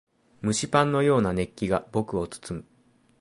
蒸しパンのような熱気が僕を包む。